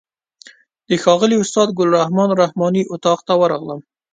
د ښاغلي استاد ګل رحمن رحماني اتاق ته ورغلم.